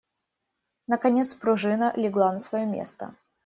Наконец пружина легла на свое место.